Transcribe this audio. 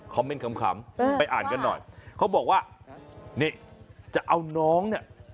เมนต์ขำไปอ่านกันหน่อยเขาบอกว่านี่จะเอาน้องเนี่ย